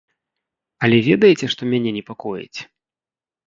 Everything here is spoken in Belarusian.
Але ведаеце, што мяне непакоіць?